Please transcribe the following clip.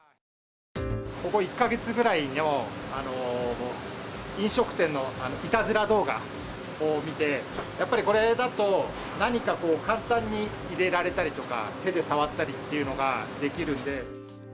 ここ１か月ぐらいの飲食店のいたずら動画を見て、やっぱりこれだと何か簡単に入れられたりとか、手で触ったりっていうのができるんで。